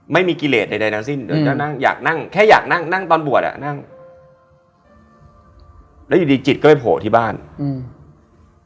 ไม่มีกิเลสใดใดทั้งสิ้นเดี๋ยวจะนั่งอยากนั่งแค่อยากนั่งนั่งตอนบวชอ่ะนั่งแล้วอยู่ดีจิตก็ไปโผล่ที่บ้านอืม